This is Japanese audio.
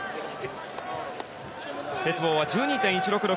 鉄棒は１２．１６６。